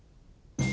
dia udah berangkat